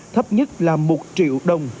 thấp nhất là một triệu đồng